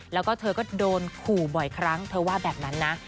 แล้วก็เธอก็โดนขู่บ่อยครั้งเธอว่าแบบนั้นนะ